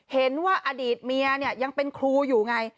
เห็นว่าอดีตเมียเนี่ยยังเป็นครูอยู่ไง